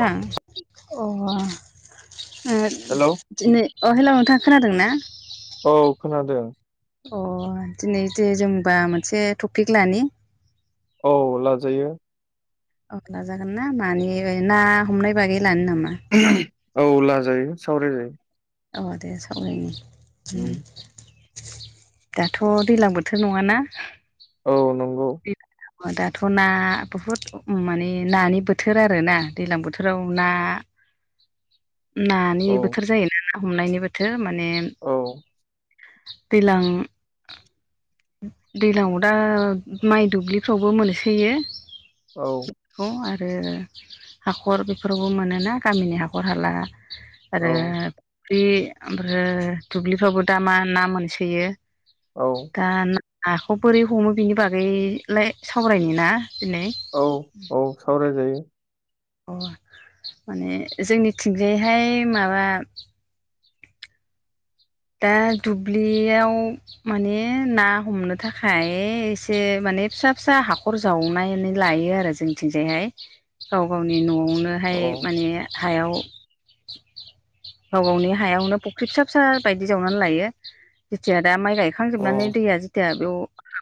नोंथां औ। हेलौ दिनै अ हेलौ नोंथां खोनादों ना? औ खोनादों अ दिनै जे जोंबा मोनसे टपिक लानि औ लाजायो। अ लाजागोन ना मानि ना हमनाय बागै लानो नामा? औ लाजायो सावराय जायो। औ दे सावरायनि उम दाथ' दैज्लां बोथोर नङाना। औ नंगौ। दाथ' ना बुहुद माने नानि बोथोर आरो ना दैज्लां बोथोराव ना नानि औ बोथोर जायोना ना हमनायनि बोथोर माने औ दैलां दैज्लाङाव दा माइ दुब्लिफ्रावबो मोनसोयो औ। बेखौ आरो हाखर बेफोरावबो मोनोना गामिनि हाखर हाला आरो औ फख्रि ओमफ्राय दुब्लिफ्रावबो दा मा ना मोनसोयो। औ। दा नाखौ बोरै हमो बिनि बागैलाय सावरायनो ना दिनै। औ औ सावरायजायो। अ माने जोंनिथिंजायहाय माबा दा दुब्लियाव माने ना हमनो थाखाय एसे माने फिसा फिसा हाखर जावनानै लायो आरो जों। जोंथिंजायहाय गाव गावनि न'आवनोहाय औ माने हायाव गाव गावनि हायावनो फुख्रि फिसा फिसा बायदि जावनानै लायो जेथिया दा माइ गायखां अ जोबनानै दैया जेथिया बेयाव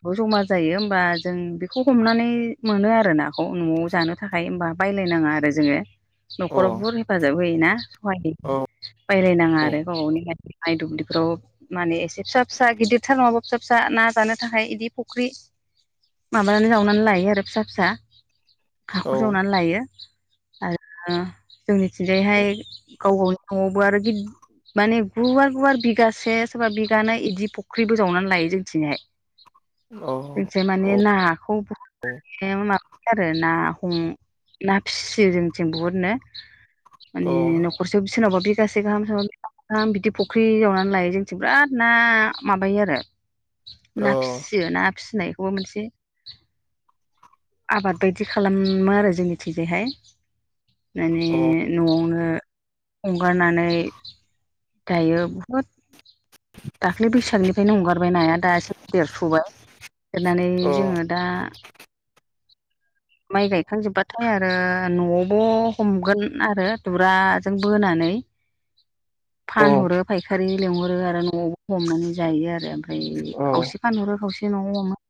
औ जमा जायो होमबा जों बेखौ हमनानै मोनो आरो नाखौ न'आव जानो थाखाय होमबा बायलायनाङा आरो जोङो अ न'खराव बुर हेफाजाब होयोना सहाय हो औ बायलायनाङा औ आरो गावबावनि माइ दुब्लिफ्राव माने एसे फिसा फिसा गिदिरथार नङाबा फिसा फिसा ना जानो थाखाय बिदि फुख्रि माबानानै जावनानै लायो आरो फिसा फिसा हाखर जावनानै लायो आरो जोंनिथिंजायहाय गाव गावनि न'आवबो आरो माने गुवार गुवार बिगासे सोरबा बिगानै बिदि फुख्रिबो जावनानै लायो जोंथिंहाय औ से औ माने नाखौ बहद माबायो आरो ना हम ना फिसियो जोंथिं बहुदनो माने न‌ औ खरसे सोरनावबा बिगासे गाहाम सोरनबा आ बिदि फुख्रि जावनानै लायो जोंनिथिं बिराद ना माबायो आरो औ ना फिसियो ना फिसिनायखौबो मोनसे आबाद बायदि खालामो आरो जोंनिथिंजायहाय माने न'आवनो हगारनानै दायो बुहुद [inaudible] दाख्लि बैसागनिफ्रायनो हंगारबाय नाया दा एसे देरस'बाय देरनानै औ जोङो दा माइ गायखां जोबाथाय आरो न'आवबो हमगोन आरो दुरा बोनानै औ फानहरो फायखारि लेंहरो आरो न'आवबो हमनानै जायो आरो ओमफ्राय खावसे फानहरो खावसे न'आव हमो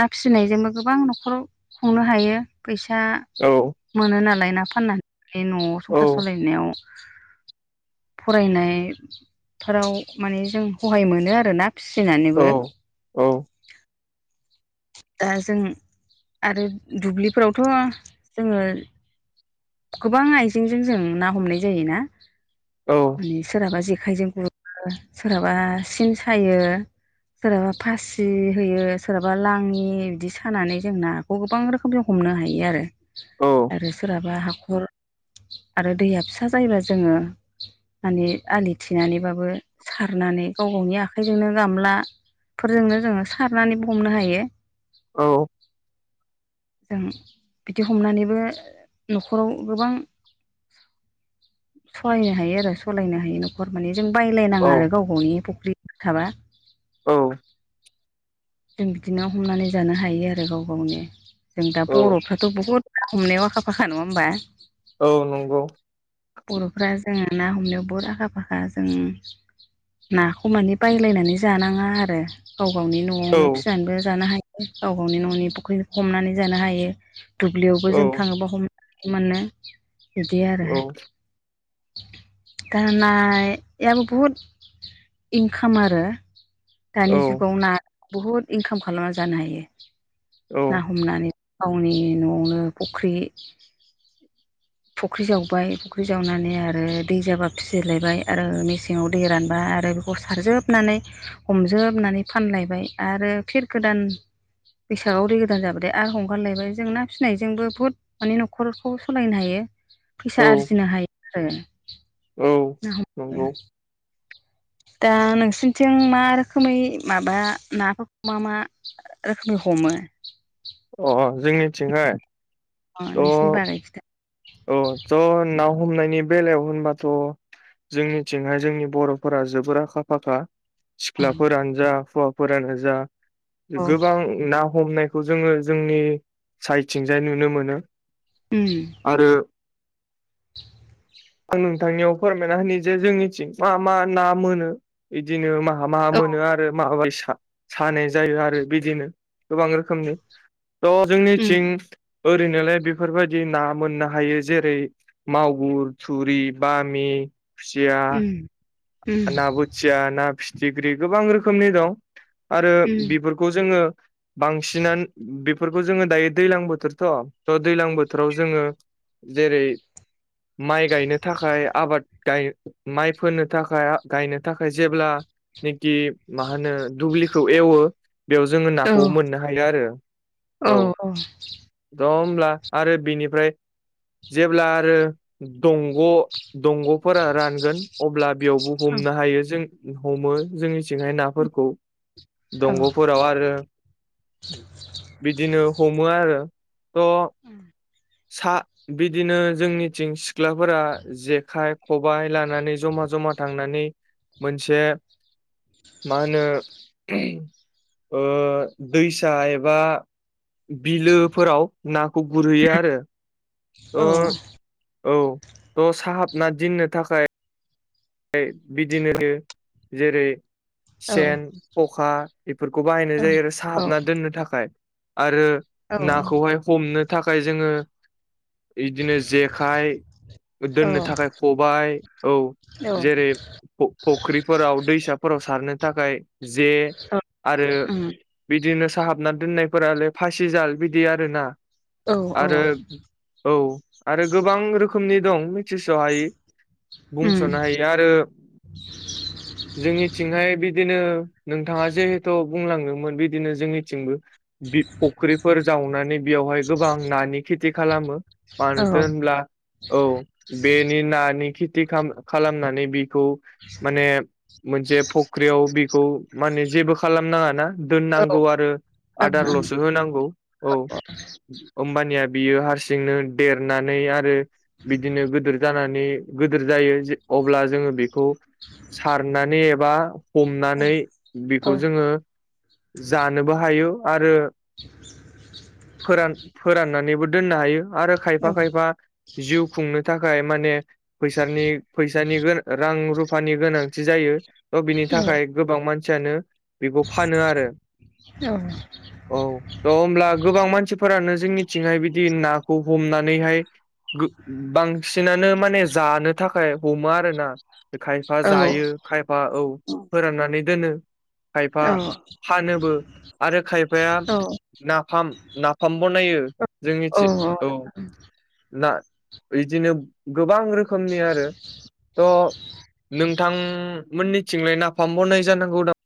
ना फिसिनायजोंबो गोबां न'खराव खुंनो हायो फैसा औ मोनो नालाय ना फाननानै न'आव संसार सालायनायाव फरायनायफोराव माने जों सहाय मोनो आरोना फिसिनानैबो औ दा जों आरो दुब्लिफोरावथ' जोङो गोबां आइजेंजों जों ना हमनाय जायोना माने सोरहाबा जेखाइजों गुरो सोरहाबा सिन सायो सोरहाबा फासि होयो सोरहाबा लाङि बिदि सानानै जों नाखौ गोबां रोखोमजों हमनो हायो आरो आरो सोरहाबा हाखर आरो दैया फिसा जायोबा जोङो माने आलि थिनानैबाबो सारनानै गाव गावनि आखाइजोंनो गामला फोरजोंनो जोङो सारनानै हमनो हायो औ जों बिदि हमनानैबो न'खराव गोबां सहायनो हायो आरो सलायनो हायो न'खर माने जों बायलायनाङा आरो गाव गावनि फुख्रि थाबा औ जों बिदिनो हमनानै जानो हायो आरो गाव गावनि जों दा औ बर'फ्राथ' बहुद ना हमनायाव आखा फाखा नङा होमबा औ नंगौ बर'फ्रा जोङो ना हमनायाव बहुद आखा फाखा जों नाखौ मानि बायलायनानै जानाङा आरो गाव गावनि न' न'आवनो औ फिसिनानैबो जानो हायो गाव गावनि न'नि फख्रि हमनानै जानो हायो दुब्लियावबो जों औ थाङोबा [unintelligible] मोनो बिदि आरो औ दनायाबो बहुद इनकाम आरो दानि औ जुगाव ना बहुद इनकाम खालामना जानो हायो ना औ हमनानै गावनि न'आवनो फुख्रि [inaudible] फुख्रि जावबाय फुख्रि जावनानै आरो दै जाबा फिसिलायबाय आरो मेसेङाव दै रानबा आरो बे सारजोबनानै हमजोबनानै फानलायबाय आरो फिर गोदान बेैसागोआव दै गोदान जाबाथाय आरो हगारलायबाय जों ना फिसिनायजोंबो बुहुद माने न'खरखौ सालायनो हायो फैसा औ आरजिनो हायो आरो औ ना हमनानै नोंगौ दा नोंसरनिथिं मा रोखोमै माबा नाफोरखौ मा मा रोखोमनि हमो अ जोंनिथिंहाय थ' [unintelligible] औ ज' ना हमनायनि बेलायाव होनबाथ' जोंनिथिंहाय जोंनि बर'फोरा जोबोर आखा फाखा औ सिख्लाफोरानो जा हौवाफोरानो जा औ गोबां ना हमनायखौ जोङो जोंनि साइडथिंजाय नुनो मोनो उम आरो आं नोंथांनियाव फोरमायना होनि जे जोंनिथिं मा मा ना मोनो बिदिनो मा मा मा औ मोनो आरो माबायसा सानाय जायो आरो बिदिनो गोबां रोखोमनि थ' उम जोंनिथिं ओरैनोलाय बेफोरबायदि ना मोननो हायो जेरै मावागुर थुरि बामि खुसिया उम उम ना बोथिया ना फिथिख्रि गोबां रोखोमनि दं आरो उम बेफोर जोङो बांसिनानो बे बेफोरखौ जोङो दायो दै्लां बोथोरथ' थ' दै्लां बोथोराव जोङो जेरै माइ गायनो थाखाय आबाद गाय माइ फोनो थाखाय गायनो थाखाय जेब्लानेखि मा होनो दुब्लिखौ एवो बेयाव जोङो औ नाखौ मोननो हायो आरो औ ज' होमब्ला आरो बिनिफ्राय जेब्ला आरो दंग' दंग'फोरा रानगोन अब्ला बेयावबो हमनो हायो जों हमो जोंनिथिंहाय नाफोरखौ औ उम औ उम औ ओं औ दंगफोराव आरो बिदिनो हमो आरो थ' सा बिदिनो जोंनिथिं सिख्लाफोरा जेखाइ खबाइ लानानै जमा जमा थांनानै मोनसे मा होनो दैसा एबा बिलोफोराव नाखौ गुरहैयो आरो औ थ साहाबना दोननो थाखाय बिदिनो जेरै सेन खखा बेफोरखौ बाहायनाय जायो आरो साहाबना दोननो थाखाय आरो नाखौहाय हमनो थाखाय जोङो इदिनो जे खाय दोननो थाखाय खबाय औ जेरै फुख्रिफोराव दैसाफोराव सारनो थाखाय जे आरो बिदिनो साहाबना दोननायफोरालाय फासिजाल बिदि आरोना आरो औ। आरो गोबां रोखोमनि दं मिथिस'हायि बुंस'नो हायि। ओ जोंनिथिंहाय बिदिनो नोंथाङा जिहेथु बुंलाङोमोन बिदिनो जोंनिथिंबो बि फुख्रिफोर जावनानै बेयावहाय गोबां नानि खेथि खालामो मानोथो होनब्ला औ बेनि नानि खेथि खाम-खालामनानै बेखौ माने मोनसे फख्रियाव बेखौ माने जेबो खालामनाङाना। दोननांगौ आरो आदारल'सो होनांगौ औ। हमबानिया बियो हारसिंनो देरनानै आरो बिदिनो गिदोर जानानै गिदिर जायो अब्ला जोङो बेखौ सारनानै एबा हमनानै बेखौ जोङो जानोबो हायो आरो फोरान फोराननानैबो दोननो हायो आरो खायफा खायफा जिउ खुंनो थाखाय माने फैसानि फैसानि गोनां रां - रुफानि गोनांथि जायो थ'' बिनि थाखाय गोबां मानसियानो बेखौ फानो आरो। औ। औ थ'' होमब्ला गोबां मानसिफोरानो जोंनिथिंहाय बिदि नाखौ हमनानैहाय गो बांसिनानो माने जानो थाखाय थाखाय हमो आरोना खायफा जायो खायफा औ फोराननानै दोनो। खायफा औ फानोबो आरो खायफाया नाफाम नाफाम बनायो जोंनिथि औ। ना बिदिनो गोबां रोखोमनि आरो। थ' नोंथांमोननिथिंलाय नाफाम बनाय जानांगौ दा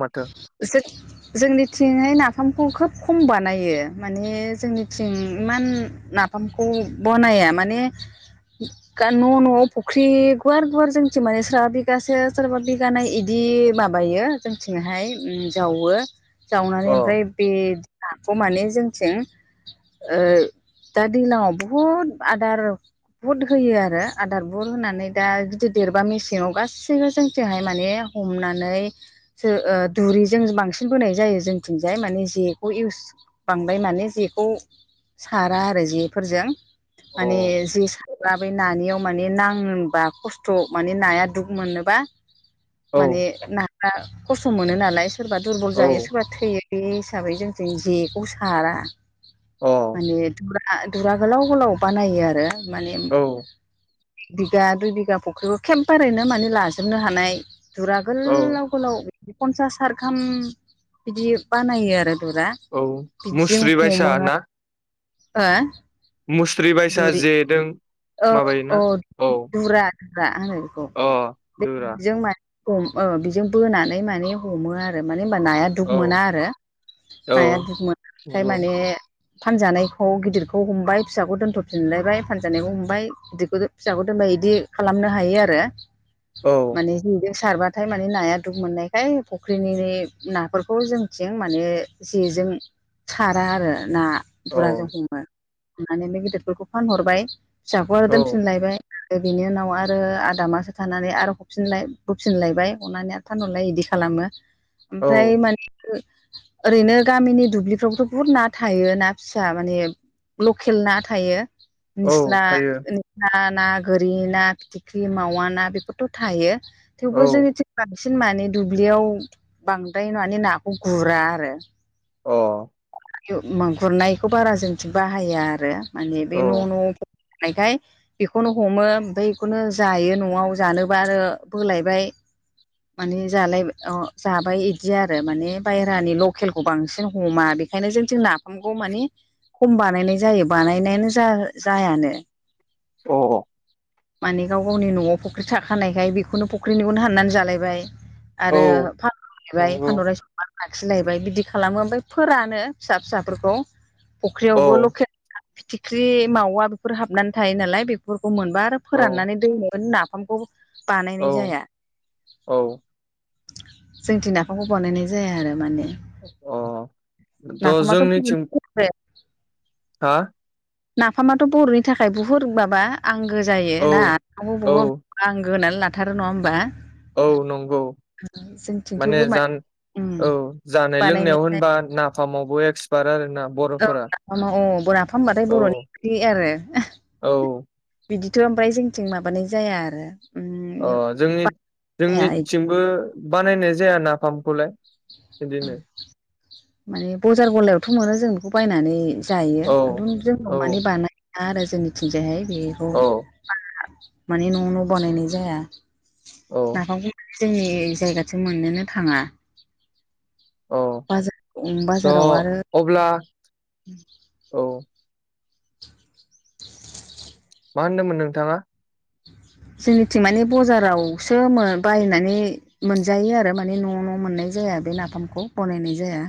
माथो [unintelligible] जोंनिथिंहाय नाफामखौ खोब खम बानायो माने जोंनिथिं इमान नाफामखौ बनाया माने न' न'आव फुख्रि गुवार गुवार जोंथि माने सोरबा बिगासे सोरबा बिगानै बिदि माबायो जोंथिंहाय उम जावो जावनानै अ ओमफ्राय बे नाखौ माने जोंथिं ओ दा दैलाङाव' बहुद आदार बुद होयो आरो आदार बुद होनानै दा जुदि देरबा मेसेङाव गासैबो जोंथिंहाय माने हमनानै जो ओ दुरिजों बांसिन बोनाय जायो जोंथिंजाय माने जेखौ इउस बांद्राय नाने जेखौ सारा आरो जेफोरजों माने अ जे सारा नानियाव माने नाङोबा खस्थ' माने नाया दुख मोननोबा औ माने नाफ्रा खस्थ' मोनो नालाय सोरबा दुरबल औ जायो सोरबा थैयो बे हिसाबै जोंथिं जेखौ सारा अ माने [unintelligible] दुरा गोलाव गोलाव बानायो आरो माने औ [unintelligible] दुइ बिघा फुख्रिखौ एखेबबारैनो माने लाजोबनो हानाय दुरा औ गोलाव स्कुलाव पन्सास सारखाम बिदि बानायो आरो दुरा औ बिदिजों मुस्रि बायसा हमो ना हो मुस्रि बायसा दुरि जेदों औ औ माबायोना औ धुरा धुरा आो बेखौ अ दुरा जों म [unintelligible] हम ओ बिजों बोनानै माने हमो आरो मानेबा नाया दुख औ मोना आरो औ नाया दुख मोन ओमखाय नंगौ माने फानजानायखौ गिदिरखौ हमबाय फिसाखौ दोनथ'फिनलायबाय फानजानायखौ हम हमबाय बिदिखौ फिसाखौ दोनबाय बिदि खालामनो हायो आरो औ माने जेजों सारबाथाय माने नाया दुख मोननायखाय फुख्रिनि नाफोरखौ जोंथिं माने जेजों सारा आरो ना। औ दुरा जा हमो थनानै बे गिदिरफोरखौ फानहरबाय फिसाखौ आरो औ दोनफिनलायबाय। बिनि उनाव आरो आदामासो थानानै आरो हरफिनलाय बुफिनलायबाय हनानै आरो थानहरलाय बिदि खालामो। [inaudible] ओमफ्राय मानथो ओरैनो गामिनि दुब्लिफ्रावथ' बुहुद ना थायो ना फिसा माने लकेल ना थायो। औ। थायो ना ना गोरि ना फिथिख्रि मावा ना बेफोरथ' थायो। थेवबो औ जोंङनि बांसिन माने दुब्लियाव बांद्राय माने नाखौ गुरा आरो। अ यो मा गुरनायखौ बारा जों थिं बाहाया आरो माने औ बे न' न' नायखाय बेखौनो हमो ओमफ्राय बेखौनो जायो न'आव जानोबा आरो बोलायबाय। माने जालाय ओ जाबाय इदि आरो माने बायरानि लकेलखौ बांसिन हमा बे ओंखायनो जोंथिं नाफामखौ माने खम बानायनाय जायो बानायनायानो जा-जायानो। [inaudible] ओ। माने गाव गावनि न'आव फख्रि थाखानायखाय बेखौनो फुख्रिनिखौनो हाननानै जालायबाय। आरो औ फलायबाय नंगौ फानदलाय संनानै लाखिलायबाय बिदि खालामो ओमफ्राय फोरानो फिसा फिसाफोरखौ। औ फुख्रियावबो लकेल फिथिख्रि मावा बेफोर हाबनानै थायो नालाय बेफोरखौ मोनबा आरो औ फोराननानै दोनोमोन नाफामखौ बानायनाय औ जाया। औ जोंथि नाफामखौ बानायनाय जाया आरो माने। अ त' जोंनिथिम ह [inaudible] हा। नाफामाथ' बर'नि थाखाय बुहुत माबा आंगो जायो औ ना औ बु-बुहुद आंग होनानै लाथारो नङा होमबा। औ नंगौ जोंथिं माने थेवबो जान उम औ जानाय लोंनायाव बानायनाय होनबा नाफामावबो एक्सपार्ट आरो ना। औ नाफाम औ बराफाम बाथाय बर'नि ओंख्रि आरो औ। बिदिथ' ओमफ्राय जोंथिं माबानाय जाया आरो। उम अ जोंनि जाया इदि जोंनिथिंबो बानायनाय जाया ना फ्खौलाय। माने बजार गलायावथ' मोनो जों बेखौ बायनानै। जायो औ दोनजोंबो औ मानि बानाया आरो जोंनिथिंजायहाय बेखौ औ माने न' न' बानायनाय जाया औ नाफामखौ जोंनि जायगासो मोननोनो थाङा। औ बाजार थ' बाजाराव आरो अब्ला औ मा होनदोंमोन नोंथाङा? जोंनिथिं माने बजारावसो मो बायनानै मोनजायो आरो माने न' न' मोननाय जाया बे नाफामखौ बनायनाय जाया।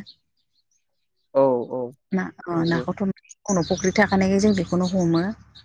औ औ नंगौ। खुनु फुख्रि थाखानायखाय जों बेखौनो हमो।